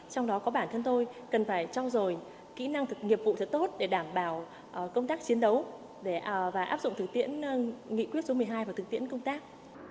trong đó có bản thân tôi cần phải trao dồi kỹ năng thực nghiệp vụ thật tốt để đảm bảo công tác chiến đấu và áp dụng thực tiễn nghị quyết số một mươi hai và thực tiễn công tác